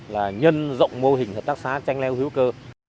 là nhân rộng mô hình tác xá tranh leo hữu cơ